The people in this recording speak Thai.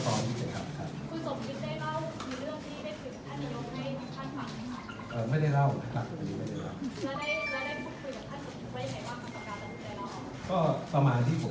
คุณสมศิษย์ได้เล่ามีเรื่องที่ได้ถึงท่านยกให้ท่านฟังได้ไหมครับ